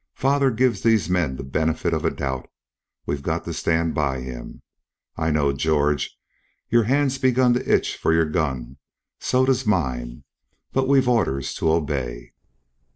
Father gives these men the benefit of a doubt. We've got to stand by him. I know, George, your hand's begun to itch for your gun. So does mine. But we've orders to obey."